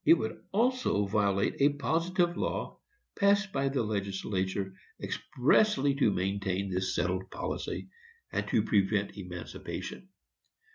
It would also violate a positive law, passed by the legislature, expressly to maintain this settled policy, and to prevent emancipation.